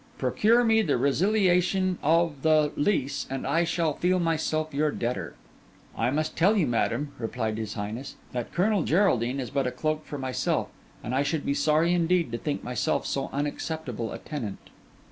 Procure me the resiliation of the lease, and I shall feel myself your debtor.' 'I must tell you, madam,' replied his highness, 'that Colonel Geraldine is but a cloak for myself; and I should be sorry indeed to think myself so unacceptable a tenant.